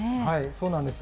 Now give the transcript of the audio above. そうなんです。